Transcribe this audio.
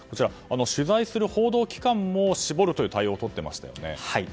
取材する報道機関も絞る対応をとっていましたよね。